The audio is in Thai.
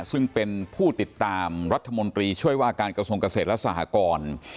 ซึ่งเป็นผู้ติดตามรัฐมนตรีช่วยว่าการกระทรวงเกษตรและสหกร